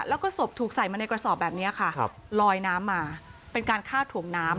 แล้วก็ศพถูกใส่มาในกระสอบแบบนี้ค่ะลอยน้ำมาเป็นการฆ่าถ่วงน้ำ